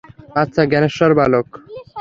আচ্ছা, জ্ঞানেশ্বর বালক।